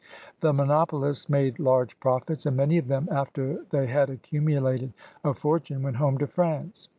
The monopolists made large profits, and many of them, after they had accumulated a fortune, went home to Prance.